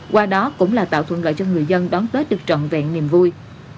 qua đó cũng là tạo thuận lợi cho người dân đón tết được trọn vẹn niềm vui